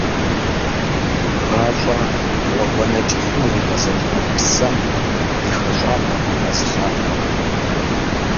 Гъащӏэ гъуэгуанэ кӏыхьым иригъэзэша псэм и хэщӏапӏэт а мэз лъапэр.